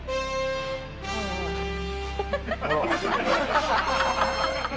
ハハハハ！